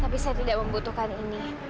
tapi saya tidak membutuhkan ini